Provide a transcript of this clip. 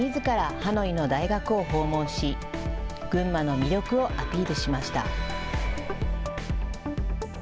ハノイの大学を訪問し群馬の魅力をアピールしました。